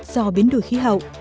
do biến đổi khí hậu